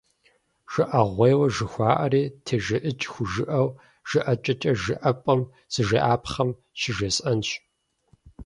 Жыӏэгъуейуэ жыхуаӏэри, тежыӏыкӏ хужыӏэу жыӏэкӏэкӏэ жыӏэпӏэм зыжеӏапхъэм щыжесӏэнщ.